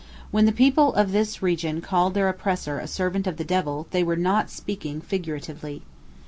When the people of this region called their oppressor a servant of the devil, they were not speaking figuratively.